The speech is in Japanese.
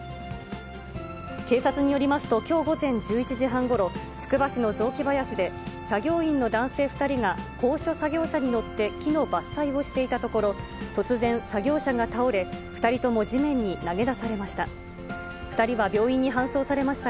警察によりますと、きょう午前１１時半ごろ、つくば市の雑木林で、作業員の男性２人が高所作業車に乗って木の伐採をしていたところ、突然、作業車が倒れ、２人とも地面に投げ出されました。